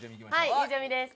はいゆうちゃみです。